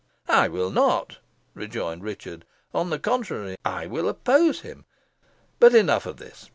"I will not," rejoined Richard. "On the contrary, I will oppose him. But enough of this.